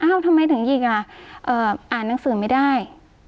ทำไมถึงหยิกอ่ะอ่านหนังสือไม่ได้